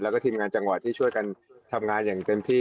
แล้วก็ทีมงานจังหวัดที่ช่วยกันทำงานอย่างเต็มที่